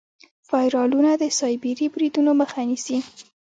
فایروالونه د سایبري بریدونو مخه نیسي.